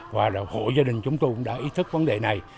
và hộ gia đình chúng tôi cũng đã ý thức vấn đề này